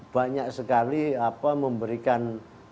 banyak sekali apa memberikan